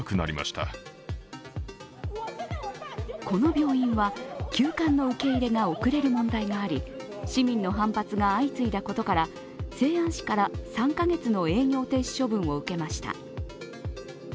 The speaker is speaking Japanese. この病院は、急患の受け入れが遅れる問題があり、市民の反発が相次いだことから、西安市から３カ月の営業停止処分を受けました。